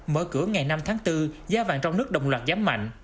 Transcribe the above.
mở cửa ngày năm tháng bốn giá vàng trong nước đồng loạt giám mạnh